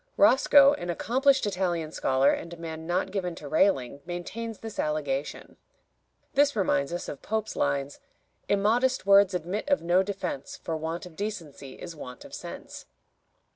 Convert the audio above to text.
Roscoe, an accomplished Italian scholar and a man not given to railing, maintains this allegation. This reminds us of Pope's lines: "Immodest words admit of no defense, For want of decency is want of sense."